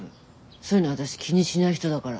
そういうの私気にしない人だから。